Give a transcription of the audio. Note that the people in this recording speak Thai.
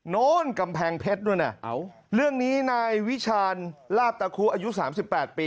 โน้นกำแพงเพชรด้วยนะเรื่องนี้นายวิชาณลาบตะคุอายุ๓๘ปี